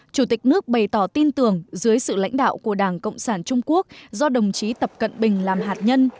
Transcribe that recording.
chủ tịch nước bày tỏ tin tưởng dưới sự lãnh đạo của đảng cộng sản trung quốc do đồng chí tập cận bình làm hạt nhân